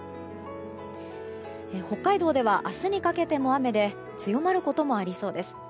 北海道では、明日にかけても雨で強まることもありそうです。